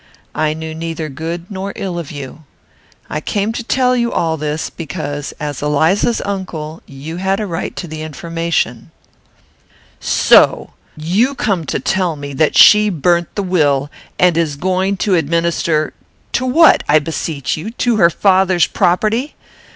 I knew neither good nor ill of you. I came to tell you all this, because, as Eliza's uncle, you had a right to the information." "So! you come to tell me that she burnt the will, and is going to administer to what, I beseech you? To her father's property?